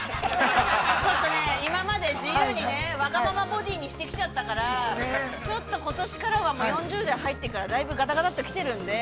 ちょっとね、今まで自由にね、わがままボディーにしてきちゃったから、ちょっとことしからは４０代入ってからだいぶ来てるので。